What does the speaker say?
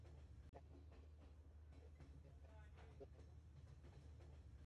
রাণী Victoria নিজ হস্তে ভারতের শাসনভার তুলে নেন।